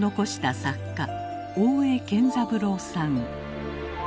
大江健三郎さん。